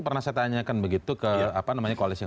pernah saya tanyakan begitu ke